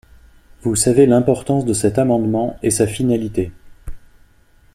Vous savez l’importance de cet amendement et sa finalité.